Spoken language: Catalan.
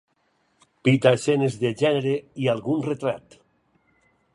Pita escenes de gènere i algun retrat.